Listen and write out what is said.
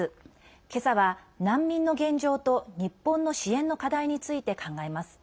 けさは難民の現状と日本の支援の課題について考えます。